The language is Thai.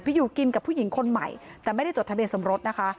อยู่กินกับผู้หญิงคนใหม่แต่ไม่ได้จดทะเบียนสมรสนะคะ